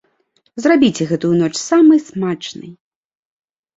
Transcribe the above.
Зрабіце гэтую ноч самай смачнай!